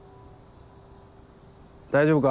大丈夫か？